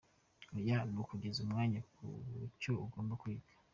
Oya, ni ukugeza umwana ku cyo agomba kwiga.